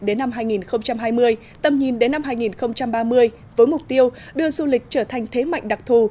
đến năm hai nghìn hai mươi tầm nhìn đến năm hai nghìn ba mươi với mục tiêu đưa du lịch trở thành thế mạnh đặc thù